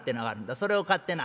それを買ってな